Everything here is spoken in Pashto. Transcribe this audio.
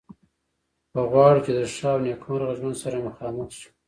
که غواړو چې د ښه او نیکمرغه ژوند سره مخامخ شو.